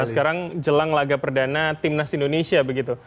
nah sekarang jelang laga perdana tim nas indonesia begitu